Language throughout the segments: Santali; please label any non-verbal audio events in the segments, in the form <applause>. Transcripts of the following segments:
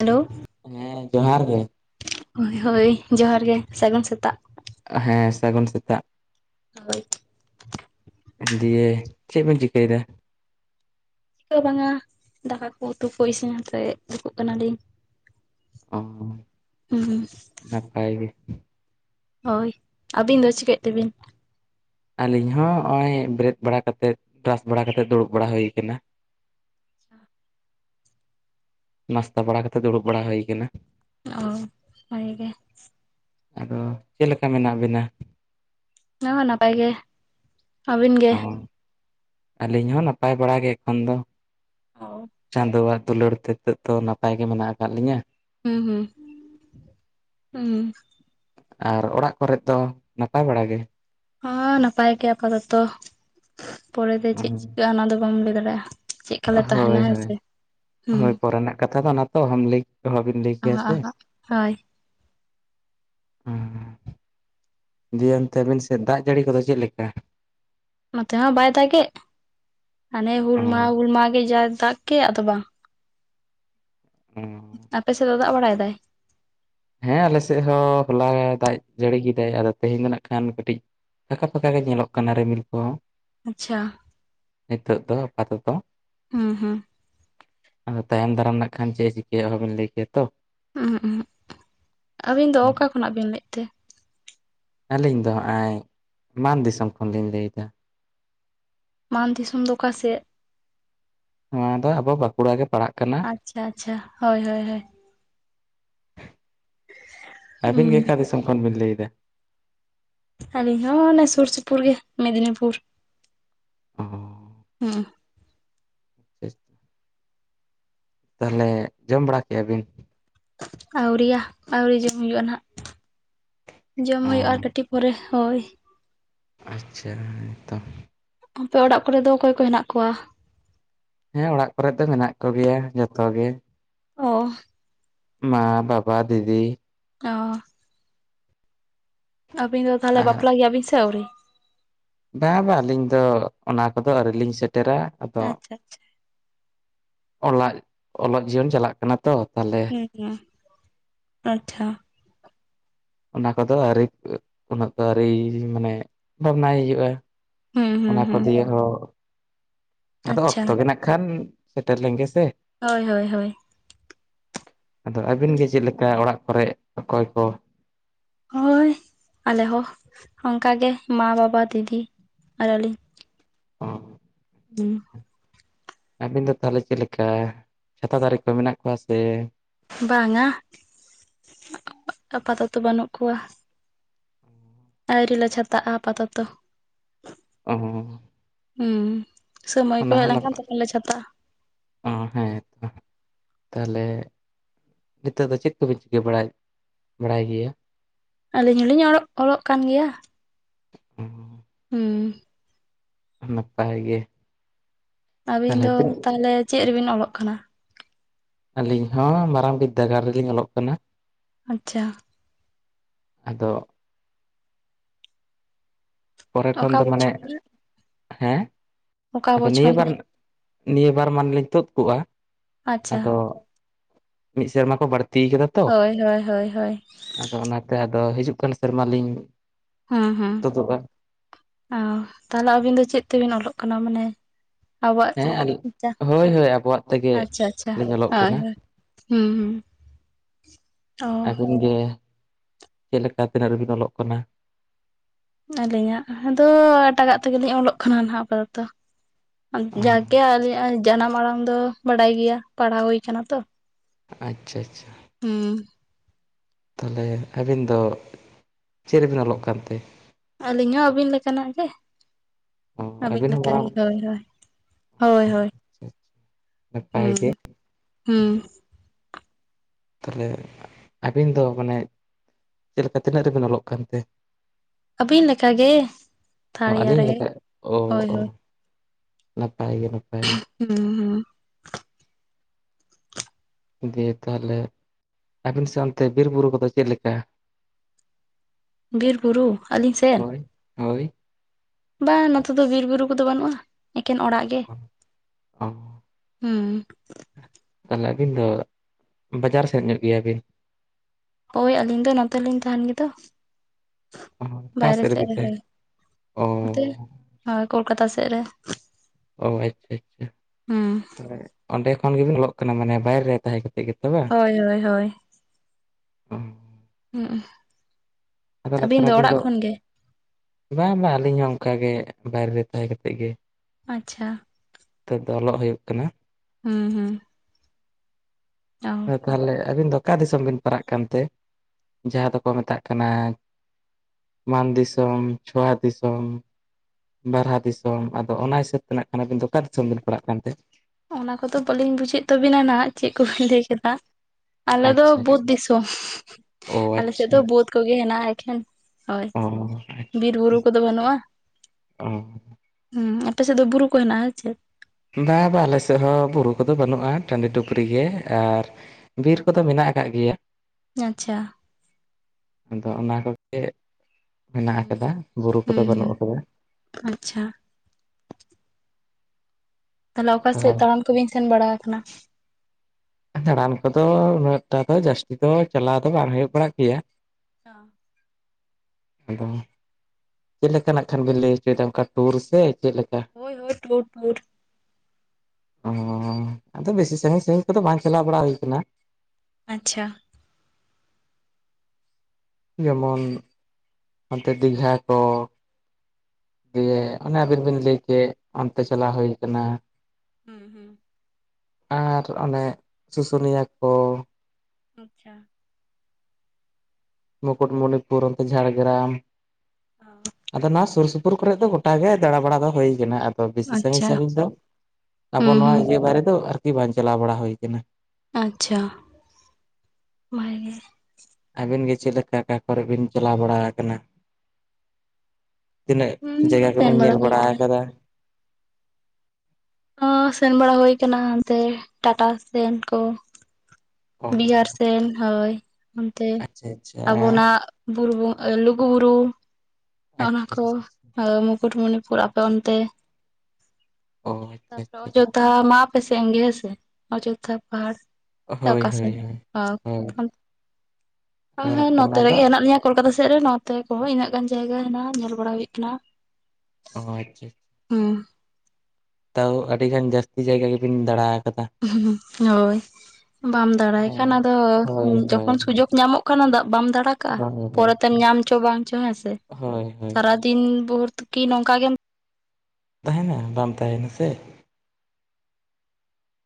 ᱦᱮᱞᱳ ᱦᱮᱸ ᱡᱚᱸᱦᱟᱨ ᱜᱮ ᱦᱳᱭ ᱦᱳᱭ ᱡᱚᱸᱦᱟᱨ ᱜᱮ ᱥᱟᱹᱜᱩᱱ ᱥᱮᱛᱟᱜ ᱦᱮᱸ ᱥᱟᱹᱜᱩᱱ ᱥᱮᱛᱟᱜ ᱦᱳᱭ ᱫᱤᱭᱮ ᱪᱮᱫ ᱵᱤᱱ ᱪᱤᱠᱟᱹᱭ ᱫᱟ? ᱪᱮᱦᱚᱸ ᱵᱟᱝᱟ ᱫᱟᱠᱟ ᱠᱚ ᱩᱛᱩ ᱠᱚ ᱤᱥᱤᱱᱟᱛᱮᱫ ᱫᱩᱠᱩᱜ ᱠᱟᱱᱟᱞᱤᱧ ᱚ ᱦᱩᱸᱻ ᱱᱟᱯᱟᱭ ᱜᱮ ᱦᱳᱭ ᱟᱹᱵᱤᱱ ᱫᱚ ᱪᱤᱠᱟᱹᱭᱮᱫ ᱛᱮᱵᱤᱱ ᱟᱹᱞᱤᱧ ᱦᱚᱸ ᱦᱚᱜᱼᱚᱭ ᱵᱮᱨᱮᱫ ᱵᱟᱲᱟᱠᱛᱮᱫ ᱵᱨᱟᱥ ᱵᱟᱲᱟ ᱠᱟᱛᱮ ᱫᱩᱲᱩᱵ ᱵᱟᱲᱟ ᱦᱩᱭ ᱠᱟᱱᱟ ᱱᱟᱥᱛᱟ ᱵᱟᱲᱟ ᱠᱟᱛᱮ ᱫᱩᱲᱩᱵ ᱵᱟᱲᱟ ᱦᱩᱭ ᱠᱟᱱᱟ᱾ ᱚ ᱵᱷᱟᱜᱮ ᱜᱮ᱾ ᱟᱫᱚ ᱪᱮᱫ ᱞᱮᱠᱟ ᱢᱮᱱᱟᱜ ᱵᱤᱱᱟ? ᱦᱮᱸ ᱱᱟᱯᱟᱭ ᱜᱮ ᱟᱹᱵᱤᱱ ᱜᱮ ᱚ ᱟᱹᱞᱤᱧ ᱦᱚᱸ ᱱᱟᱯᱟᱭ ᱵᱟᱲᱟ ᱜᱮ ᱮᱠᱷᱚᱱ ᱫᱚ᱾ ᱚ ᱪᱟᱸᱫᱚᱣᱟᱜ ᱫᱩᱞᱟᱹᱲ ᱛᱮ ᱛᱳᱜ ᱫᱚ ᱱᱟᱯᱟᱭ ᱜᱮ ᱢᱮᱱᱟᱜ ᱟᱠᱟᱫ ᱞᱤᱧᱟᱹ ᱦᱩᱸᱻ ᱦᱩᱸᱻᱦᱩᱸ ᱟᱨ ᱚᱲᱟᱜ ᱠᱚᱨᱮᱫ ᱫᱚ ᱱᱟᱯᱟᱭ ᱵᱟᱲᱟ ᱜᱮ? ᱦᱚᱸ ᱱᱟᱯᱟᱭ ᱜᱮ ᱟᱯᱟᱛᱚᱛᱚ ᱯᱚᱨᱮᱛᱮ ᱪᱮᱫ ᱪᱤᱠᱟᱹᱜᱼᱟ ᱚᱱᱟ ᱫᱚ ᱵᱟᱢ ᱞᱟᱹᱭ ᱫᱟᱲᱮᱜᱼᱟ᱾ ᱪᱮᱫ ᱠᱟᱞᱮ ᱦᱳᱭ ᱛᱟᱦᱮᱱᱟ ᱦᱮᱸ ᱦᱳᱭ ᱥᱮ ᱦᱩᱸ ᱦᱳᱭ ᱯᱚᱨᱮᱱᱟᱜ ᱠᱟᱛᱷᱟ ᱫᱚ ᱚᱱᱟ ᱛᱚ ᱚᱦᱚᱢ ᱞᱟᱹᱭ ᱚᱦᱚᱵᱤᱱ ᱞᱟᱹᱭ ᱠᱮᱭᱟ ᱟᱦᱟᱜ ᱥᱮ? ᱟᱦᱟᱜ ᱦᱳᱭ ᱦᱩᱸ ᱦᱩᱸ ᱫᱤᱭᱮ ᱚᱱᱛᱮ ᱟᱵᱤᱱ ᱥᱮᱫ ᱫᱟᱜᱽ ᱡᱟᱹᱲᱤ ᱠᱚᱫᱚ ᱪᱮᱫ ᱞᱮᱠᱟ? ᱱᱚᱛᱮ ᱦᱚᱸ ᱵᱟᱭ ᱫᱟᱜᱽ ᱮᱜ ᱦᱟᱱᱮ ᱦᱩᱞ ᱚ ᱢᱟᱦᱟ ᱦᱩᱞ ᱢᱟᱦᱟ ᱜᱮ ᱡᱟᱭ ᱫᱟᱜᱽ ᱠᱮᱜ ᱫᱚ ᱵᱟᱝ ᱚ ᱾ ᱟᱯᱮ ᱥᱮᱫ ᱫᱚ ᱫᱟᱜᱽ ᱵᱟᱲᱟᱭᱮᱫᱟᱭ? ᱦᱮᱸ ᱟᱞᱮᱥᱮᱜ ᱦᱚ ᱦᱚᱞᱟᱭ ᱫᱟᱜ ᱡᱟᱹᱲᱤ ᱠᱮᱫᱟᱭ ᱟᱫᱚ ᱛᱮᱦᱮᱧ ᱫᱚ ᱱᱟᱜ ᱠᱷᱟᱱ ᱠᱟᱹᱴᱤᱡ ᱯᱷᱟᱠᱟ-ᱯᱷᱟᱠᱟ ᱜᱮ ᱧᱮᱞᱚᱜ ᱠᱟᱱᱟ ᱨᱤᱢᱤᱞ ᱠᱚ ᱟᱪᱪᱷᱟ ᱱᱤᱛᱚᱜ ᱫᱚ ᱟᱯᱟᱛᱚᱛᱚ ᱦᱩᱸᱻ ᱦᱩᱸ ᱟᱫᱚ ᱛᱟᱭᱚᱢ ᱫᱟᱨᱟᱢ ᱱᱟᱜ ᱠᱷᱟᱱ ᱪᱮᱫ ᱮ ᱪᱤᱠᱟᱹᱭᱟ ᱚᱦᱚᱵᱮᱱ ᱞᱟᱹᱭ ᱠᱮᱭᱟ ᱛᱚ ᱩᱦᱩᱜ ᱩᱦᱩᱜ ᱟᱹᱵᱤᱱ ᱫᱚ ᱚᱠᱟ ᱠᱷᱚᱱᱟᱜ ᱵᱤᱱ ᱮᱢᱮᱜ ᱛᱮ ᱟᱹᱞᱤᱧ ᱫᱚ ᱦᱟᱜᱼᱟᱭ ᱢᱟᱱ ᱫᱤᱥᱚᱢ ᱠᱷᱚᱱᱞᱤᱧ ᱞᱟᱹᱭᱮᱫᱟ ᱢᱟᱱ ᱫᱤᱥᱚᱢ ᱫᱚ ᱚᱠᱟ ᱥᱮᱫ? ᱱᱚᱣᱟ ᱫᱚ ᱟᱵᱚ ᱵᱟᱸᱠᱩᱲᱟ ᱜᱮ ᱯᱟᱲᱟᱜ ᱠᱟᱱᱟ᱾ ᱟᱪᱪᱷᱟ-ᱟᱪᱪᱷᱟ ᱦᱳᱭᱻᱦᱳᱭᱻᱦᱳᱭ ᱟᱹᱵᱤᱱ ᱜᱮ ᱦᱩᱸ ᱚᱠᱟ ᱫᱤᱥᱚᱢ ᱠᱷᱚᱱ ᱵᱤᱱ ᱞᱟᱹᱭᱫᱟ? ᱟᱹᱞᱤᱧ ᱦᱚᱸ ᱚᱱᱮ ᱥᱩᱨ ᱥᱩᱯᱩᱨ ᱜᱮ ᱢᱮᱫᱽᱱᱤᱯᱩᱨ᱾ ᱚ <unintelligible> ᱦᱩᱸ <unintelligible> ᱛᱮᱭ ᱛᱟᱦᱞᱮ ᱡᱚᱢ ᱵᱟᱲᱟ ᱠᱮᱜᱼᱟ ᱵᱤᱱ? ᱟᱹᱣᱨᱤᱭᱟ ᱟᱹᱣᱨᱤ ᱡᱚᱢ ᱦᱩᱭᱩᱜᱼᱟ ᱱᱟᱦᱜ ᱡᱚᱢ ᱚ ᱦᱩᱭᱩᱜᱼᱟ ᱟᱨ ᱠᱟᱹᱴᱤᱡ ᱯᱚᱨᱮ᱾ ᱦᱳᱭ ᱟᱪᱪᱷᱟ ᱦᱮᱸᱛᱚ ᱟᱯᱮ ᱚᱲᱟᱜ ᱠᱚᱨᱮ ᱫᱚ ᱚᱠᱚᱭ ᱠᱚ ᱦᱮᱱᱟᱜ ᱠᱚᱣᱟ? ᱦᱮᱸ ᱚᱲᱟᱜ ᱠᱚᱨᱮ ᱫᱚ ᱢᱮᱱᱟᱜ ᱠᱚᱜᱮᱭᱟ ᱡᱷᱚᱛᱚ ᱜᱮ᱾ ᱳ ᱢᱟ-ᱵᱟᱵᱟ, ᱫᱤᱫᱤ ᱚ ᱟᱹᱵᱤᱱ ᱫᱚ ᱛᱟᱦᱞᱮ ᱟᱨ ᱵᱟᱯᱞᱟ ᱜᱮᱭᱟ ᱵᱤᱱ ᱥᱮ ᱟᱹᱣᱨᱤ? ᱵᱟ ᱵᱟ ᱟᱹᱞᱤᱧ ᱫᱚ ᱚᱱᱟ ᱠᱚᱫᱚ ᱟᱹᱣᱨᱤ ᱞᱤᱧ ᱥᱮᱴᱮᱨᱟ ᱟᱫᱚ ᱟᱪᱪᱷᱟ ᱟᱪᱪᱷᱟ ᱚᱞᱟᱜ ᱚᱞᱚᱜ ᱡᱤᱭᱚᱱ ᱪᱟᱞᱟᱜ ᱠᱟᱱᱟ ᱛᱚ ᱛᱟᱞᱦᱮ <unintelligible> ᱟᱪᱪᱷᱟ᱾ ᱚᱱᱟ ᱠᱚᱫᱚ ᱟᱹᱨᱤ ᱩᱱᱟᱹᱜ ᱫᱚ ᱟᱹᱣᱨᱤ ᱢᱟᱱᱮ ᱵᱷᱟᱵᱽᱱᱟᱭ ᱦᱩᱭᱩᱜᱼᱟ᱾ ᱦᱩᱸ ᱦᱩᱸ ᱚᱱᱟ ᱠᱚ ᱦᱩᱸ ᱫᱤᱭᱮ ᱦᱚᱸ ᱟᱫᱚ ᱟᱪᱪᱷᱟ ᱚᱠᱛᱚ ᱜᱮ ᱱᱟᱜ ᱠᱷᱟᱱ ᱥᱮᱴᱮᱨ ᱞᱮᱱ ᱜᱮᱥᱮ᱾ ᱦᱳᱭ ᱦᱳᱭ ᱦᱳᱭ᱾ ᱟᱫᱚ ᱟᱹᱵᱤᱱ ᱜᱮ ᱪᱮᱫ ᱞᱮᱠᱟ ᱚᱲᱟᱜ ᱠᱚᱨᱮ ᱚᱠᱚᱭ ᱠᱚ? ᱦᱳᱭ ᱟᱞᱮ ᱦᱚᱸ ᱚᱝᱠᱟ ᱜᱮ ᱢᱟ, ᱵᱟᱵᱟ, ᱫᱤᱫᱤ ᱟᱨ ᱟᱞᱤᱧ᱾ ᱚ ᱦᱩᱸ᱾ ᱟᱹᱵᱤᱱ ᱫᱚ ᱛᱟᱦᱞᱮ ᱪᱮᱫ ᱞᱮᱠᱟ ᱪᱷᱟᱛᱟ ᱫᱟᱨᱮ ᱠᱚ ᱢᱮᱱᱟᱜ ᱠᱚᱣᱟ ᱥᱮ? ᱵᱟᱝ-ᱟ ᱟᱯᱟ ᱛᱚᱛᱚ ᱵᱟᱹᱱᱩᱜ ᱠᱚᱣᱟ᱾ ᱟᱹᱭᱨᱤ ᱞᱮ ᱪᱷᱟᱛᱟᱜᱼᱟ ᱟᱯᱟ ᱛᱚᱛᱚ᱾ ᱚᱻ ᱦᱩᱸ ᱥᱚᱢᱚᱭ ᱠᱚ ᱦᱮᱡ ᱦᱚᱸ ᱞᱮᱱᱠᱷᱟᱱ ᱱᱟᱯᱟᱭ ᱛᱚᱠᱷᱚᱱ ᱞᱮ ᱪᱷᱟᱛᱟᱜᱼᱟ᱾ ᱚ, ᱦᱮᱛᱚ᱾ ᱛᱟᱦᱚᱞᱮ ᱱᱤᱛᱚᱜ ᱫᱚ ᱪᱮᱫ ᱠᱚᱵᱤᱱ ᱪᱤᱠᱟᱹ ᱵᱟᱲᱟ ᱵᱟᱲᱟᱭ ᱜᱮᱭᱟ? ᱟᱹᱞᱤᱧ ᱦᱚᱞᱤᱧ ᱚᱲᱚᱜ ᱚᱞᱚᱜ ᱠᱟᱱ ᱜᱮᱭᱟ᱾ ᱦᱩᱸ᱾ ᱱᱟᱯᱟᱭ ᱜᱮ᱾ ᱟᱵᱤᱱ ᱛᱟᱦᱚᱞᱮ ᱫᱚ ᱛᱤᱱᱟᱹᱜ ᱛᱟᱦᱞᱮ ᱪᱮᱫ ᱨᱮᱵᱤᱱ ᱚᱞᱚᱜ ᱠᱟᱱᱟ? ᱟᱹᱞᱤᱧ ᱦᱚᱸ ᱢᱟᱨᱟᱝ ᱵᱤᱫᱽᱫᱟᱹᱜᱟᱲ ᱨᱮᱞᱤᱧ ᱚᱞᱚᱜ ᱠᱟᱱᱟ᱾ ᱟᱪᱪᱷᱟ᱾ ᱟᱫᱚ ᱯᱚᱨᱮ ᱠᱷᱚᱱ ᱚᱠᱟ ᱫᱚ ᱢᱟᱱᱮ, ᱵᱚᱪᱷᱚᱨ ᱨᱮᱱᱟᱜ ᱦᱮᱸ ᱚᱠᱟ ᱟᱫᱚ ᱵᱚᱪᱷᱚᱨ ᱱᱤᱭᱟᱹ ᱵᱟᱨ ᱨᱮᱱᱟᱜ ᱱᱤᱭᱟᱹᱵᱟᱨ ᱢᱟᱱᱮ ᱞᱤᱧ ᱛᱩᱫ ᱠᱚᱜᱼᱟ᱾ ᱟᱪᱪᱷᱟ ᱟᱫᱚ ᱢᱤᱫ ᱥᱮᱨᱢᱟ ᱠᱚ ᱵᱟᱹᱲᱛᱤ ᱟᱠᱟᱫᱟ᱾ ᱦᱳᱭ ᱦᱳᱭ ᱦᱳᱭ ᱦᱳᱭ ᱟᱫᱚ ᱚᱱᱟᱛᱮ ᱟᱫᱚ ᱦᱤᱡᱩᱜ ᱠᱟᱱ ᱥᱮᱨᱢᱟ ᱞᱤᱧ ᱦᱮᱸ ᱦᱮᱸ ᱛᱩᱫᱩᱜᱼᱟ ᱚ ᱛᱟᱦᱞᱮ ᱟᱹᱵᱤᱱ ᱫᱚ ᱪᱮᱫ ᱛᱮᱵᱤᱱ ᱚᱞᱚᱜ ᱠᱟᱱᱟ ᱢᱟᱱᱮ ᱟᱵᱚᱣᱟᱜ ᱦᱮᱸ ᱦᱳᱭ ᱦᱳᱭ ᱟᱵᱚᱣᱟᱜ ᱛᱮᱜᱮ ᱟᱪᱪᱷᱟ ᱟᱪᱪᱷᱟ ᱞᱤᱧ ᱚᱞᱚᱜ ᱦᱳᱭ ᱠᱟᱱᱟ ᱦᱳᱭ᱾ ᱦᱮᱸ ᱦᱩᱸ ᱚ᱾ ᱡᱮ ᱪᱮᱫ ᱞᱮᱠᱟ ᱛᱤᱱᱟᱹᱜ ᱨᱮᱵᱤᱱ ᱚᱞᱚᱜ ᱠᱟᱱᱟ? ᱟᱹᱞᱤᱧᱟᱜ ᱟᱫᱚ ᱮᱴᱟᱜᱟᱜ ᱛᱮᱜᱮᱞᱤᱧ ᱚᱞᱚᱜ ᱠᱟᱱᱟ ᱱᱟᱦᱟᱜ ᱟᱯᱟ ᱛᱚᱛᱚ᱾ ᱚ ᱡᱟᱠ ᱜᱮ ᱟᱞᱤ ᱡᱟᱱᱟᱢ ᱟᱲᱟᱝ ᱫᱚ ᱵᱟᱰᱟᱭ ᱜᱮᱭᱟ ᱯᱟᱲᱦᱟᱣ ᱦᱩᱭ ᱠᱟᱱᱟ ᱛᱚ᱾ ᱟᱪᱪᱷᱟ ᱟᱪᱪᱷᱟ᱾ ᱦᱩᱸ᱾ ᱛᱟᱦᱚᱞᱮ ᱟᱹᱵᱤᱱ ᱫᱚ ᱪᱮᱫ ᱨᱮᱵᱮᱱ ᱚᱞᱚᱜ ᱠᱟᱱ ᱛᱮ? ᱟᱹᱞᱤᱧ ᱦᱚᱸ ᱟᱹᱵᱤᱱ ᱞᱮᱠᱟᱱᱟᱜ ᱜᱮ᱾ ᱚ ᱟᱹᱵᱤᱱ ᱦᱚᱸ ᱞᱮᱠᱟᱜᱮ ᱢᱟᱨᱟᱝ ᱦᱳᱭ ᱦᱳᱭ ᱦᱳᱭ ᱦᱳᱭ᱾ <inaudible> ᱜᱮ ᱦᱩᱸ ᱦᱩᱸ᱾ ᱛᱟᱦᱚᱞᱮ ᱟᱹᱵᱤᱱ ᱫᱚ ᱢᱟᱱᱮ ᱪᱮᱫ ᱞᱮᱠᱟ ᱛᱤᱱᱟᱹᱜ ᱨᱮᱵᱤᱱ ᱚᱞᱚᱜ ᱠᱟᱱᱛᱮ? ᱟᱹᱵᱤᱱ ᱞᱮᱠᱟᱜᱮ ᱚ ᱛᱷᱟᱲ ᱤᱭᱟᱨ ᱟᱞᱤᱧ ᱨᱮ ᱞᱮᱠᱷᱟᱱ ᱚ ᱦᱳᱭ ᱚ᱾ ᱦᱳᱭ ᱱᱟᱯᱟᱭ ᱜᱮ ᱱᱟᱯᱟᱭ ᱜᱮ᱾ ᱦᱩᱸ᱾ ᱦᱩᱸ ᱫᱤᱭᱮ ᱛᱟᱦᱚᱞᱮ, ᱟᱵᱤᱱ ᱥᱮᱱ ᱚᱱᱛᱮ ᱵᱤᱨ ᱵᱩᱨᱩ ᱠᱚᱫᱚ ᱪᱮᱫ ᱞᱮᱠᱟ? ᱵᱤᱨ ᱵᱩᱨᱩ ᱟᱹᱞᱤᱧ ᱥᱮᱫ ᱦᱳᱭ ᱦᱳᱭ ᱵᱟᱝ ᱱᱚᱛᱮ ᱫᱚ ᱵᱤᱨ ᱵᱩᱨᱩ ᱠᱚᱫᱚ ᱵᱟᱹᱱᱩᱜᱼᱟ᱾ ᱮᱠᱮᱱ ᱚᱲᱟᱜ ᱜᱮ ᱚ ᱦᱩᱸ ᱛᱟᱦᱚᱞᱮ ᱟᱹᱵᱤᱱ ᱫᱚ ᱵᱟᱡᱟᱨ ᱥᱮᱫ ᱧᱚᱜ ᱜᱮᱭᱟᱵᱤᱱ ᱳᱭ ᱟᱹᱞᱤᱧ ᱫᱚ ᱱᱚᱛᱮ ᱞᱤᱧ ᱛᱟᱦᱮᱱ ᱜᱮᱫᱚ ᱚ ᱚᱠᱟ ᱵᱟᱭᱨᱮ ᱥᱮᱫ ᱨᱮᱵᱤᱱ ᱨᱮ ᱜᱮ ᱛᱟᱦᱮᱸ ᱚ ᱱᱚᱛᱮ ᱦᱳᱭ ᱠᱳᱞᱠᱟᱛᱟ ᱥᱮᱫ ᱨᱮ ᱚ ᱟᱪᱪᱷᱟ ᱟᱪᱪᱷᱟ ᱦᱩᱸ ᱚᱸᱰᱮ ᱠᱷᱚᱱ ᱜᱮᱵᱤᱱ ᱚᱞᱚᱜ ᱠᱟᱱᱟ ᱢᱟᱱᱮ ᱵᱟᱭᱨᱮ ᱨᱮ ᱛᱟᱦᱮᱸ ᱠᱟᱛᱮᱫ ᱜᱮ ᱛᱚᱵᱮ ᱦᱳᱭ ᱦᱳᱭ ᱦᱳᱭ ᱚ ᱦᱩᱸ ᱟᱫᱚ ᱟᱹᱵᱤᱱ <unintelligible> ᱟᱵᱤᱱ ᱚᱲᱟᱜ ᱫᱚ ᱠᱷᱚᱱ ᱜᱮ ᱵᱟᱝ ᱵᱟᱝ ᱟᱹᱞᱤᱧ ᱦᱚᱸ ᱚᱱᱠᱟᱜ ᱜᱮ ᱵᱟᱭᱨᱮ ᱨᱮ ᱛᱟᱦᱮᱸ ᱠᱟᱛᱮᱫ ᱜᱮ᱾ ᱟᱪᱪᱷᱟ ᱱᱤᱛᱚᱜ ᱫᱚ ᱚᱞᱚᱜ ᱦᱳᱭᱳᱜ ᱠᱟᱱᱟ᱾ ᱦᱩᱸ ᱦᱩᱸ ᱚ ᱟᱫᱚ ᱛᱟᱦᱚᱞᱮ ᱟᱹᱵᱤᱱ ᱫᱚ ᱚᱠᱟ ᱫᱤᱥᱚᱢ ᱵᱤᱱ ᱯᱟᱲᱟᱜ ᱠᱟᱱᱛᱮ ᱡᱟᱦᱟᱸ ᱫᱚᱠᱚ ᱢᱮᱛᱟᱜ ᱠᱟᱱᱟ ᱢᱟᱱ ᱫᱤᱥᱚᱢ, ᱪᱷᱳᱣᱟ ᱫᱤᱥᱚᱢ, ᱵᱟᱨᱦᱟ ᱫᱤᱥᱚᱢ ᱟᱫᱚ ᱚᱱᱟ ᱦᱤᱥᱟᱹᱵ ᱱᱟᱜ ᱠᱟᱱ ᱟᱵᱤᱱ ᱫᱚ ᱚᱠᱟ ᱫᱤᱥᱚᱢ ᱵᱤᱱ ᱯᱟᱲᱟᱜ ᱠᱟᱱᱛᱮ ᱚᱱᱟ ᱠᱚᱫᱚ ᱵᱟᱹᱞᱤᱧ ᱵᱩᱡᱮᱫ ᱛᱟᱵᱤᱱᱟ ᱱᱟ ᱪᱮᱫ ᱠᱚᱵᱤᱱ ᱞᱟᱹᱭ ᱠᱟᱫᱟ᱾ ᱟᱞᱮ ᱫᱚ ᱟᱪᱪᱷᱟ ᱵᱟ. ᱫᱽ ᱟᱪᱪᱷᱟ ᱟᱪᱪᱷᱟ, ᱫᱤᱥᱚᱢ ᱚ ᱟᱞᱮᱥᱮᱫ ᱫᱚ ᱟᱪᱪᱷᱟ ᱵᱟ. ᱫᱽ ᱠᱚᱜᱮ ᱦᱮᱱᱟᱜᱼᱟ ᱮᱠᱷᱮᱱ ᱚᱭ ᱚ ᱟᱪᱪᱷᱟ ᱵᱤᱨᱵᱩᱨᱩ ᱟᱪᱪᱷᱟ, ᱠᱚᱫᱚ ᱵᱟᱹᱱᱩᱜᱼᱟ ᱚ ᱦᱩ ᱟᱯᱮ ᱥᱮᱫ ᱫᱚ ᱵᱩᱨᱩ ᱠᱚ ᱦᱮᱱᱟᱜᱼᱟ ᱦᱮᱸ ᱪᱮ ᱵᱟ ᱵᱟ ᱟᱞᱮᱥᱮᱫ ᱦᱚᱸ ᱵᱩᱨᱩ ᱠᱚᱫᱚ ᱵᱟᱹᱱᱩᱜᱼᱟ ᱴᱟᱹᱰᱤ ᱴᱩᱯᱨᱤ ᱜᱮ ᱟᱨ ᱵᱤᱨ ᱠᱚᱫᱚ ᱢᱮᱱᱟᱜ ᱟᱠᱟᱫ ᱜᱮᱭᱟ ᱟᱪᱪᱷᱟ ᱟᱫᱚ ᱚᱱᱟ ᱠᱚᱜᱮ ᱢᱮᱱᱟᱜ ᱦᱩᱸ ᱠᱟᱫᱟ ᱵᱩᱨᱩ ᱠᱚᱫᱚ ᱵᱟᱹᱱᱩᱜ ᱦᱩᱸ ᱠᱟᱫᱟ ᱟᱪᱪᱷᱟ ᱛᱟᱦᱚᱞᱮ ᱚᱠᱟ ᱛᱚ ᱥᱮᱫ ᱫᱟᱲᱟᱢ ᱠᱚᱵᱤᱱ ᱥᱮᱱ ᱵᱟᱲᱟ ᱠᱟᱱᱟ ᱫᱟᱬᱟᱱ ᱠᱚᱫᱚ ᱩᱱᱟᱹᱜᱴᱟ ᱫᱚ ᱡᱟᱹᱥᱛᱤ ᱫᱚ ᱪᱟᱞᱟᱣ ᱫᱚ ᱵᱟᱝ ᱦᱳᱭᱳᱜ ᱵᱟᱲᱟᱜ ᱜᱮᱭᱟ ᱚ ᱟᱫᱚ ᱪᱮᱫ ᱞᱮᱠᱟ ᱱᱟᱜ ᱠᱷᱟᱱ ᱵᱤᱱ ᱞᱟᱹᱭ ᱦᱚᱪᱚᱭᱫᱟ ᱚᱱᱠᱟ ᱴᱩᱨ ᱥᱮ ᱪᱮᱫ ᱞᱮᱠᱟ ᱦᱳᱭ ᱦᱳᱭ ᱴᱩᱨ ᱴᱩᱨ ᱚ ᱟᱫᱚ ᱵᱮᱥᱤ ᱥᱟᱹᱜᱤᱧ ᱥᱟᱹᱜᱤᱧ ᱠᱚᱫᱚ ᱵᱟᱝ ᱪᱟᱞᱟᱣ ᱵᱟᱲᱟ ᱦᱩᱭ ᱠᱟᱱᱟ ᱟᱪᱪᱷᱟ ᱡᱮᱢᱚᱱ ᱚᱱᱛᱮ ᱫᱤᱜᱷᱟ ᱠᱚ ᱫᱤᱭᱮ ᱚᱱᱮ ᱟᱵᱤᱱ ᱵᱤᱱ ᱞᱟᱹᱭ ᱠᱮᱫ ᱚᱱᱛᱮ ᱪᱟᱞᱟᱣ ᱦᱳᱭ ᱠᱟᱱᱟ ᱦᱩᱸ ᱦᱩᱸ ᱟᱨ ᱚᱱᱮ ᱥᱩᱥᱩᱱᱤᱭᱟ. ᱠᱚ ᱟᱪᱪᱷᱟ ᱢᱩᱠᱩᱴᱢᱩᱱᱤᱯᱩᱨ ᱚᱱᱛᱮ ᱡᱷᱟᱲᱜᱨᱟᱢ ᱟᱫᱚ ᱱᱚᱣᱟ ᱥᱩᱨ ᱥᱩ ᱯᱩᱨ ᱠᱚᱨᱮᱫ ᱫᱚ ᱜᱚᱴᱟᱜᱮ ᱫᱟᱲᱟ ᱵᱟᱲᱟ ᱫᱚ ᱦᱳᱭ ᱠᱟᱱᱟ ᱟᱨ ᱚ ᱵᱮᱥᱤ ᱥᱟᱹᱜᱤᱧ ᱟᱪᱪᱷᱟ ᱥᱟᱹᱜᱤᱧ ᱫᱚ ᱟᱵᱚ ᱦᱩᱸ ᱱᱚᱣᱟ ᱦᱩᱸ ᱤᱭᱟᱹ ᱵᱟᱨᱮ ᱫᱚ ᱟᱨᱠᱤ ᱵᱟᱝ ᱪᱟᱞᱟᱣ ᱵᱟᱲᱟ ᱦᱩᱭ ᱠᱟᱱᱟ ᱟᱪᱪᱷᱟ ᱵᱷᱟᱜᱮ ᱟᱹᱵᱤᱱ ᱜᱮ ᱪᱮᱫ ᱞᱮᱠᱟ ᱚᱠᱟ ᱠᱚᱨᱮᱫ ᱵᱤᱱ ᱪᱟᱞᱟᱣ ᱵᱟᱲᱟ ᱠᱟᱱᱟ ᱛᱤᱱᱟᱹᱜ ᱦᱩᱸ ᱡᱟᱭᱜᱟ ᱠᱚ ᱥᱮᱱ ᱵᱮᱱ ᱧᱮᱞ ᱦᱩᱭ ᱵᱟᱲᱟ ᱠᱟᱱᱟ ᱠᱟᱫᱟ ᱚ ᱥᱮᱱ ᱵᱟᱲᱟ ᱦᱳᱭ ᱠᱟᱱᱟ ᱚᱱᱛᱮ ᱴᱟᱴᱟ ᱥᱮᱱ ᱠᱚ ᱚ ᱵᱤᱦᱟᱨ ᱥᱮᱱ ᱦᱳᱭ ᱚᱱᱛᱮ ᱟᱪᱪᱷᱟ ᱟᱪᱪᱷᱟ ᱟᱨ ᱟᱵᱚᱱᱟᱜ ᱵᱩᱨᱩ ᱵᱩ ᱮ ᱞᱩᱜᱩᱵᱩᱨᱩ ᱚᱱᱦᱟ ᱟᱪᱪᱷᱟ ᱠᱚ ᱟᱪᱪᱷᱟ ᱦᱮ ᱢᱩᱠᱩᱴᱢᱩᱱᱤᱯᱩᱨ ᱟᱯᱮ ᱚᱱᱛᱮ ᱚ ᱛᱟ ᱟᱪᱪᱷᱟ ᱛᱯᱚᱨᱮ ᱟᱪᱪᱷᱟ ᱚᱡᱳᱫᱷᱟ ᱟᱪᱪᱷᱟ ᱢᱟᱯᱮ ᱥᱮ ᱜᱮ ᱥᱮ ᱚᱡᱳᱫᱷᱟ ᱯᱟᱦᱟᱲ ᱦᱳᱭ ᱚᱠᱟ ᱦᱳᱭ ᱥᱮᱱ ᱦᱳᱭ ᱚᱜ ᱦᱳᱭ ᱚᱱ ᱚ ᱟᱫᱚ ᱦᱮ ᱱᱟᱜ ᱠᱷᱟᱱ ᱱᱚᱛᱮ ᱚᱱᱟ ᱫᱚ ᱨᱮᱜᱮ ᱦᱮᱱᱟᱜ ᱞᱤᱧᱟ ᱠᱳᱞᱠᱟᱛᱟ ᱥᱮᱫ ᱨᱮ ᱱᱚᱛᱮ ᱠᱚᱦᱚᱸ ᱤᱱᱟᱹᱜ ᱜᱟᱱ ᱡᱟᱭᱜᱟ ᱦᱮᱱᱟᱜᱼᱟ ᱧᱮᱞ ᱵᱟᱲᱟ ᱦᱩᱭᱩᱠ ᱠᱟᱱᱟ᱾ ᱚ ᱟᱪᱪᱷᱟ᱾ ᱦᱩᱸ᱾ ᱛᱟᱣ ᱟᱹᱰᱤ ᱜᱟᱱ ᱡᱟᱹᱥᱛᱤ ᱡᱟᱭᱜᱟ ᱜᱮᱵᱤᱱ ᱫᱟᱬᱟ ᱠᱟᱫᱟ᱾ ᱦᱩᱸᱦᱩᱸ ᱦᱳᱭ ᱵᱟᱢ ᱫᱟᱲᱟᱭ ᱠᱷᱟᱱ ᱦᱮᱸ ᱟᱫᱚ ᱦᱳᱭ ᱦᱳᱭ ᱡᱚᱠᱷᱚᱱ ᱥᱩᱡᱳᱜ ᱧᱟᱢᱚᱜ ᱠᱟᱱᱟ ᱫᱟᱜ ᱵᱟᱢ ᱫᱟᱲᱟ ᱠᱟᱜᱼᱟ ᱦᱳᱭ ᱦᱳᱭ ᱯᱚᱨᱮ ᱛᱮᱢ ᱧᱟᱢ ᱪᱚ ᱵᱟᱝ ᱪᱚ ᱦᱮᱸᱥ ᱦᱳᱭ ᱦᱳᱭ ᱥᱟᱨᱟ ᱫᱤᱱ ᱵᱷᱳᱨᱛᱚᱠᱤ ᱱᱚᱝᱠᱟ ᱜᱮᱢ ᱛᱟᱦᱮᱱᱟ ᱵᱟᱢ ᱛᱟᱦᱮᱱᱟ ᱥᱮ᱾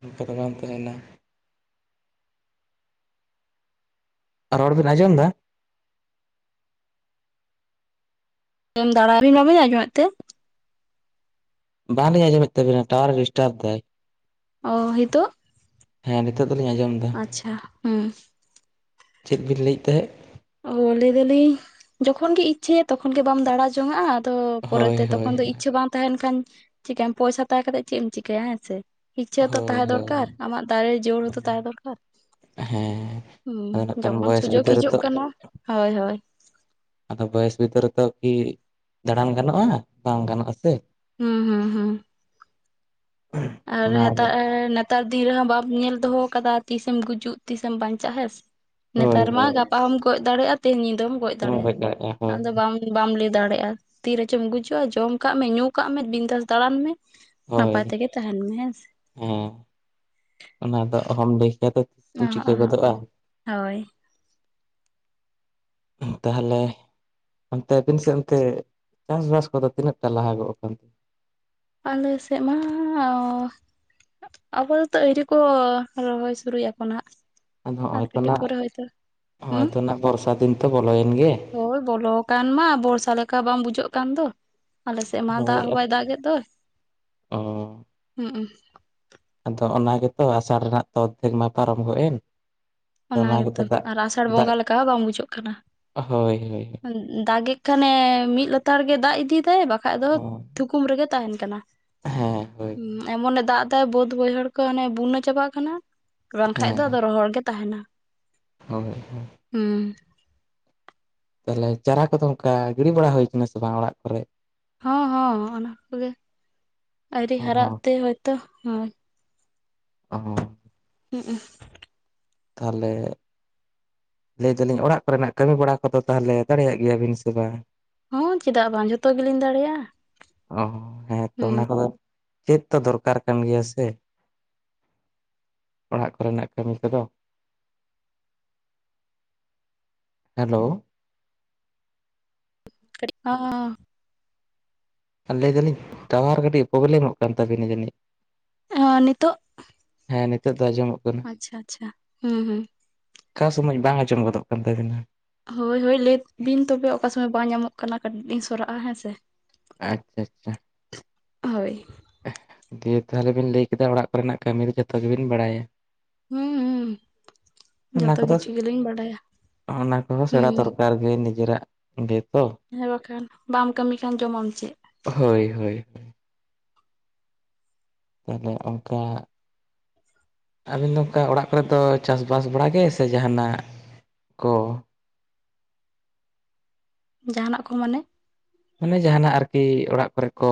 ᱤᱱᱠᱟᱹ ᱫᱚ ᱵᱟᱢᱛᱟᱦᱮᱱᱟ᱾ ᱟ ᱨᱚᱲ ᱵᱤᱱ ᱟᱸᱡᱚᱢ ᱫᱟ? ᱮᱢ ᱫᱟᱲᱟ ᱟᱹᱵᱤᱱ ᱵᱟᱹᱵᱤᱱ ᱟᱸᱡᱚᱢᱮᱫ ᱛᱮ? ᱵᱟᱞᱤᱧ ᱟᱸᱡᱚᱢᱮᱫ ᱛᱟᱵᱤᱱᱟ ᱴᱟᱭᱟᱨ ᱮᱚ ᱰᱤᱥᱴᱟᱵ ᱫᱟᱭ᱾ ᱚ ᱦᱤᱛᱳᱜ? ᱦᱮᱸ ᱱᱤᱛᱚᱜ ᱫᱚᱞᱤᱧ ᱟᱸᱡᱚᱢᱫᱟ᱾ ᱟᱪᱪᱷᱟ ᱦᱩᱸ᱾ ᱪᱮᱫ ᱵᱤᱱ ᱞᱟᱹᱭᱮᱫ ᱛᱟᱦᱮᱸᱫ? ᱚ ᱞᱟᱹᱭ ᱫᱟᱞᱤᱧ ᱡᱚᱠᱷᱚᱱ ᱜᱮ ᱤᱪᱪᱷᱟᱹᱭᱟ ᱛᱚᱠᱷᱚᱱ ᱜᱮ ᱵᱟᱢ ᱫᱟᱲᱟ ᱡᱚᱝᱼᱟ ᱟ᱾ ᱛᱚ ᱦᱳᱭ ᱯᱚᱨᱮᱛᱮ ᱦᱳᱭ ᱛᱚᱠᱷᱚᱱ ᱫᱚ ᱤᱪᱷᱟᱹ ᱵᱟᱝ ᱛᱟᱦᱮᱱ ᱠᱷᱟᱱ ᱪᱤᱠᱟᱹᱭᱟᱢ ᱯᱚᱭᱥᱟ ᱛᱟᱦᱮᱸ ᱠᱟᱛᱮ ᱪᱮᱫ ᱮᱢ ᱪᱤᱠᱟᱭᱭᱟ ᱦᱮᱸ ᱥᱮ᱾ ᱤᱪᱷᱟᱹ ᱦᱚᱸ ᱛᱚ ᱦᱳᱭ ᱛᱟᱦᱮᱸ ᱦᱳᱭ ᱫᱚᱨᱠᱟᱨ ᱟᱢᱟᱜ ᱫᱟᱲᱮ ᱡᱳᱨ ᱦᱚᱸᱛᱚ ᱛᱟᱦᱮᱸ ᱫᱚᱨᱠᱟᱨ᱾ ᱦᱮᱸ ᱟᱫᱚ ᱱᱟᱜ ᱦᱩᱸ ᱠᱷᱟᱱ ᱡᱚᱠᱷᱚᱱ ᱵᱚᱭᱮᱥ ᱥᱩᱡᱳᱜᱽ ᱵᱤᱫᱟᱹᱞ ᱦᱤᱡᱩᱜ ᱨᱮᱛᱚ ᱠᱟᱱᱟ ᱦᱳᱭ ᱦᱳᱭ ᱟᱫᱚ ᱵᱚᱭᱮᱥ ᱵᱤᱫᱟᱹᱞ ᱨᱮᱫᱚ ᱠᱤ ᱫᱟᱲᱟᱱ ᱜᱟᱱᱚᱜᱼᱟ? ᱵᱟᱝ ᱜᱟᱱᱚᱜᱼᱟ ᱥᱮ᱾ ᱦᱩᱸ ᱦᱩᱸ ᱦᱩᱸ᱾ ᱟᱨ ᱚᱱᱟ ᱦᱟᱛᱟᱜ ᱱᱚᱜ ᱛᱟᱨ ᱫᱤᱱ ᱨᱮᱦᱚᱸ ᱵᱟᱢ ᱧᱮᱞ ᱫᱚᱦᱚ ᱟᱠᱟᱫᱟ ᱛᱤᱥᱮᱢ ᱜᱩᱡᱩᱜ ᱛᱤᱥᱮᱢ ᱵᱟᱸᱧᱪᱟᱜ ᱦᱮᱸᱥᱮ ᱦᱳᱭ ᱱᱮᱛᱟᱨ ᱢᱟ ᱦᱳᱭ ᱜᱟᱯ ᱯᱟᱢ ᱜᱚᱡ ᱫᱟᱲᱮᱭᱟᱜᱼᱟ ᱛᱮᱦᱮᱧ ᱧᱤᱫᱟᱹᱢ ᱜᱚᱡ ᱫᱟᱲᱮᱭᱟᱜᱼᱟ, ᱟᱫᱚ ᱵᱟᱢ ᱵᱟᱢ ᱞᱟᱹᱭ ᱫᱟᱲᱮᱭᱟᱜᱼᱟ ᱛᱤ ᱨᱮᱪᱚᱢ ᱜᱩᱡᱩᱜᱼᱟ ᱡᱚᱢ ᱠᱟᱜ ᱢᱮ ᱧᱩ ᱠᱟᱜ ᱢᱮ ᱵᱤᱱᱫᱟᱥ ᱫᱟᱲᱟᱱ ᱢᱮ᱾ ᱱᱟᱯᱟᱭ ᱦᱳᱭ ᱛᱮᱜᱮ ᱛᱟᱦᱮᱱ ᱢᱮ ᱦᱮᱸ ᱥᱮ ᱦᱮᱸ ᱚᱱᱟ ᱫᱚ ᱚᱦᱚᱢ ᱞᱟᱸᱭ ᱠᱮᱭᱟ ᱛᱚ᱾ ᱛᱤᱥᱮᱢ ᱚᱦᱚᱸᱜ ᱪᱤᱠᱟᱹ ᱚᱦᱚᱸᱜ ᱜᱚᱫᱚᱜᱼᱟ ᱦᱳᱭ᱾ ᱚᱦᱩᱸ ᱛᱟᱦᱚᱞᱮ ᱚᱱᱛᱮ ᱟᱵᱤᱱ ᱥᱮᱫ ᱚᱱᱛᱮ ᱪᱟᱥᱵᱟᱥ ᱠᱚᱫᱚ ᱛᱤᱱᱟᱹᱜ ᱴᱟ ᱞᱟᱦᱟᱜᱚᱜ ᱠᱟᱱ? ᱟᱞᱮ ᱥᱮᱫ ᱢᱟᱻ ᱟᱯᱟᱛᱚ ᱟᱭᱨᱤ ᱠᱚ ᱨᱚᱦᱚᱭ ᱥᱩᱨᱩᱭᱟᱚ ᱠᱚ ᱱᱟᱜ᱾ ᱟᱫᱚ ᱦᱚᱸᱜᱼᱚᱭ ᱛᱚ ᱱᱟᱜ ᱦᱚᱸᱜᱼᱚᱭ ᱦᱩᱸ ᱛᱚ ᱵᱚᱨᱥᱟ ᱫᱤᱱ ᱛᱚ ᱵᱚᱞᱚᱭᱮᱱ ᱜᱮ? ᱦᱳᱭ ᱵᱚᱞᱚ ᱟᱠᱟᱱ ᱢᱟ ᱵᱚᱨᱥᱟ ᱞᱮᱠᱟ ᱵᱟᱝ ᱵᱩᱡᱷᱟᱹᱜ ᱠᱟᱱ ᱫᱚ᱾ ᱟᱞᱮᱥᱮᱫ ᱢᱟ ᱫᱟᱜ ᱦᱚᱸ ᱵᱟᱭ ᱫᱟᱜ ᱮᱫ ᱫᱚᱭ᱾ ᱚᱻ᱾ ᱦᱩᱸᱼᱩ᱾ ᱟᱫᱚ ᱚᱱᱟ ᱜᱮᱛᱚ ᱟᱥᱟᱲ ᱨᱮᱱᱟᱜ ᱛᱚᱛᱫᱤᱱ ᱢᱟ ᱯᱟᱨᱚᱢ ᱜᱚᱫ ᱮᱱ᱾ ᱚᱱᱟ ᱜᱮᱛᱚ ᱟᱨ ᱟᱥᱟᱲ ᱫᱟᱜ ᱵᱚᱸᱜᱟ ᱞᱮᱠᱟ ᱦᱚᱸ ᱵᱟᱝ ᱵᱩᱡᱷᱟᱹᱜ ᱠᱟᱱᱟ, ᱦᱳᱭ ᱦᱳᱭ ᱦᱮᱸ ᱫᱟᱜᱮᱜ ᱠᱷᱟᱱᱮ ᱢᱤᱫ ᱞᱮᱛᱟᱲ ᱜᱮ ᱫᱟᱜ ᱤᱫᱤᱭᱮᱫᱟᱭ ᱵᱟᱠᱷᱟᱡ ᱫᱚ ᱛᱷᱩᱠᱩᱢ ᱨᱮᱜᱮ ᱛᱟᱦᱮᱱ ᱠᱟᱱᱟ᱾ ᱦᱮᱸ ᱦᱳᱭ ᱦᱩᱸ ᱮᱢᱚᱱᱮ ᱫᱟᱜ ᱫᱟᱭ ᱵᱟᱹᱫ ᱵᱟᱹᱭᱦᱟᱹᱲ ᱠᱚ ᱦᱟᱱᱮ ᱵᱩᱱᱟᱹ ᱪᱟᱵᱟᱜ ᱠᱟᱱᱟ᱾ ᱵᱟᱝᱠᱷᱟᱡ ᱫᱚ ᱦᱮᱸ ᱟᱫᱚ ᱨᱚᱦᱚᱲ ᱜᱮ ᱛᱟᱦᱮᱱᱟ᱾ ᱦᱳᱭ ᱦᱳᱭ᱾ ᱦᱩᱸ᱾ ᱛᱟᱦᱚᱞᱮ ᱪᱟᱨᱟ ᱠᱚᱫᱚ ᱚᱱᱠᱟ ᱜᱤᱲᱤ ᱵᱟᱲᱟ ᱦᱩᱭ ᱠᱟᱱᱟ ᱥᱮ ᱵᱟᱝ ᱚᱲᱟᱜ ᱠᱚᱨᱮ? ᱦᱚᱸ ᱦᱚᱸ ᱚᱱᱟ ᱠᱚᱜᱮ, ᱟᱹᱣᱨᱤ ᱚ ᱦᱟᱨᱟᱜ ᱛᱮ ᱦᱳᱭᱼᱛᱚ ᱦᱳᱭ᱾ ᱚ ᱦᱚᱸ᱾ ᱦᱩᱸᱼᱩ᱾ ᱛᱟᱦᱞᱮ ᱞᱟᱹᱭ ᱫᱟᱞᱤᱧ ᱚᱲᱟᱜ ᱠᱚᱨᱮᱱᱟᱜ ᱠᱟᱹᱢᱤ ᱵᱟᱲᱟ ᱠᱚᱫᱚ ᱛᱟᱦᱞᱮ ᱫᱟᱲᱮᱭᱟᱜ ᱜᱮᱭᱟᱵᱤᱱ ᱥᱮ ᱵᱟᱝ ᱦᱚᱸ ᱪᱮᱫᱟᱜ ᱵᱟᱝ ᱡᱷᱚᱛᱚ ᱜᱮᱞᱤᱧ ᱫᱟᱲᱮᱭᱟᱜᱼᱟ ᱚ ᱦᱮᱸᱛᱚ ᱚᱱᱟ ᱦᱩᱸ ᱠᱚᱫᱚ ᱪᱮᱫ ᱛᱚ ᱫᱚᱨᱠᱟᱨ ᱠᱟᱱ ᱜᱮᱭᱟ ᱥᱮ ᱚᱲᱟᱜ ᱠᱚᱨᱮᱱᱟᱜ ᱠᱟᱹᱢᱤ ᱠᱚᱫᱚ ᱦᱮᱞᱳ <unintelligible> ᱟᱨ ᱞᱟᱹᱭ ᱫᱟᱞᱤᱧ ᱛᱟᱣᱟᱨ ᱠᱟᱹᱴᱤᱡ ᱯᱨᱚᱵᱞᱮᱢᱚᱜ ᱠᱟᱱ ᱛᱟᱵᱤᱱᱟ ᱡᱟᱹᱱᱤᱡ ᱚ ᱱᱤᱛᱚᱜ ᱦᱮᱸ ᱱᱤᱛᱳ ᱫᱚ ᱟᱸᱡᱚᱢᱚᱜ ᱠᱟᱱᱟ ᱟᱪᱷᱟ ᱟᱪᱷᱟ ᱦᱩᱸ ᱦᱩᱸ ᱚᱠᱟ ᱥᱚᱢᱚᱭ ᱵᱟᱝ ᱟᱡᱚᱢ ᱜᱚᱫᱚᱜ ᱠᱟᱱ ᱛᱟᱹᱵᱤᱱᱟ ᱦᱳᱭ ᱦᱳᱭ ᱞᱟᱹᱭ ᱵᱤᱱ ᱛᱚᱵᱮ ᱚᱠᱟ ᱥᱚᱢᱚᱭ ᱵᱟᱝ ᱧᱟᱢᱚᱜ ᱠᱟᱱᱟ ᱠᱟᱹᱴᱤᱡ ᱞᱤᱝ ᱥᱚᱨᱟᱜᱼᱟ ᱦᱮᱸ ᱥᱮ ᱟᱪᱪᱷᱟ ᱟᱪᱪᱷᱟ ᱦᱳᱭ ᱫᱤᱭᱮ ᱛᱟᱦᱞᱮ ᱵᱤᱱ ᱞᱟᱹᱭ ᱠᱮᱫᱟ ᱚᱲᱟᱜ ᱠᱚᱨᱮᱱᱟᱜ ᱠᱟᱹᱢᱤ ᱫᱚ ᱡᱚᱛᱚ ᱜᱤ ᱵᱤᱱ ᱵᱟᱲᱟᱭᱟ ᱦᱩᱸ ᱦᱩᱸ ᱚᱱᱟ ᱡᱚᱛᱚ ᱠᱚᱫᱚ ᱠᱤᱪᱷᱩ ᱜᱮᱞᱤᱧ ᱵᱟᱰᱟᱭᱟ ᱚᱱᱟ ᱦᱩᱸ ᱠᱚᱦᱚᱸᱥᱮᱬᱟ ᱫᱚᱨᱠᱟᱨ ᱮᱠᱟᱞ ᱜᱮ ᱱᱤᱡᱮᱨᱟᱜ ᱜᱮ ᱛᱚ ᱦᱮᱸ ᱵᱟᱠᱷᱟᱱ ᱵᱟᱢ ᱠᱟᱹᱢᱤ ᱠᱷᱟᱱ ᱡᱚᱢᱟᱢ ᱪᱮᱫ ᱦᱳᱭ ᱦᱳᱭ ᱛᱟᱦᱞᱮ ᱠᱝᱠᱟ ᱟᱵᱤᱱ ᱫᱚ ᱚᱝᱠᱟ ᱚᱲᱟᱜ ᱠᱚᱨᱮᱫ ᱫᱚ ᱪᱟᱥᱵᱟᱥ ᱵᱟᱲᱟ ᱜᱮ ᱥᱮ ᱡᱟᱦᱟᱱᱟᱜ ᱠᱚ ᱡᱟᱦᱟᱱᱟᱜ ᱠᱚ ᱢᱟᱱᱮ ᱢᱟᱱᱮ ᱡᱟᱦᱟ ᱱᱟᱜ ᱟᱨᱠᱤ ᱚᱲᱟᱜ ᱠᱚᱨᱮ ᱠᱚ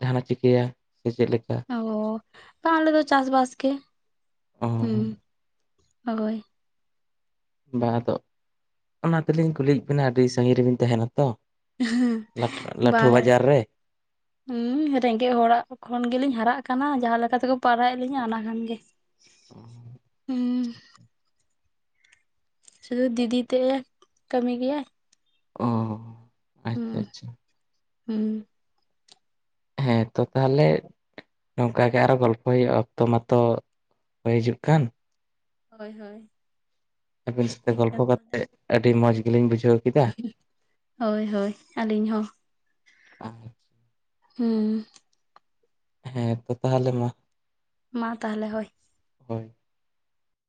ᱡᱟᱦᱟ ᱪᱤᱠᱟᱹᱭᱟ ᱥᱮ ᱪᱮᱫ ᱞᱮᱠᱟ ᱚ ᱵᱟ ᱟᱞᱮ ᱫᱚ ᱪᱟᱥ ᱵᱟᱥ ᱜᱮ ᱚ ᱦᱩᱸ ᱦᱳᱭ ᱵᱟ ᱟᱫᱚ ᱚᱱᱟ ᱛᱮᱞᱤᱧ ᱠᱩᱞᱤᱭᱤ ᱵᱤᱱᱟ ᱟᱹᱰᱤ ᱥᱟᱺᱜᱤᱧ ᱨᱮᱵᱤᱱ ᱛᱟᱦᱮᱱᱟ ᱛᱚ ᱞᱟᱹᱴᱷᱩ ᱵᱟᱝ ᱵᱟᱡᱟᱨ ᱨᱮ ᱦᱩᱸ ᱨᱮᱸᱜᱮᱡ ᱦᱚᱲᱟᱜ ᱠᱷᱚᱱ ᱜᱮᱞᱤᱧ ᱦᱟᱨᱟᱜ ᱠᱟᱱᱟ ᱡᱟᱦᱟᱸ ᱞᱮᱠᱟ ᱛᱮᱠᱚ ᱯᱟᱨᱟᱮᱜ ᱞᱤᱧᱟ ᱚᱱᱟ ᱠᱷᱟᱱ ᱜᱮ ᱦᱩᱸ <inaudible> ᱥᱩᱫᱩ ᱫᱤᱫᱤ ᱛᱮᱜ ᱮ ᱠᱟᱹᱢᱤ ᱜᱮᱭᱟᱭ ᱚ ᱟᱪᱪᱷᱟ ᱦᱩᱸ- ᱟᱪᱪᱷᱟ ᱦᱩᱸ ᱦᱮᱸ ᱛᱚ ᱛᱟᱦᱞᱮ ᱱᱚᱝᱠᱟᱜᱮ ᱟᱨᱚ ᱜᱚᱞᱯᱚᱭ ᱦᱩᱭᱩᱟ ᱚᱠᱛᱚ ᱢᱟᱛᱚ ᱦᱳᱭ ᱦᱤᱡᱩᱜ ᱠᱟᱱ ᱦᱳᱭ ᱦᱳᱭ ᱟᱹᱵᱤᱱ ᱥᱟᱛᱮ ᱴᱷᱤᱠ ᱜᱮᱭᱟ ᱜᱚᱞᱯᱷᱚ ᱛᱟᱦᱚᱞᱮ ᱠᱟᱛᱮᱫ ᱟᱹᱰᱤ ᱢᱚᱡᱽ ᱜᱮᱞᱤᱧ ᱵᱩᱡᱷᱟᱹᱣ ᱠᱮᱫᱟ ᱦᱳᱭ ᱦᱳᱭ ᱟᱹᱞᱤᱧ ᱦᱚᱸ <unintelligible> ᱦᱩᱸ ᱦᱮᱸ ᱛᱚ ᱛᱟᱦᱟᱞᱮ ᱢᱟ ᱢᱟ ᱛᱟᱦᱞᱮ ᱦᱳᱭ ᱦᱳᱭ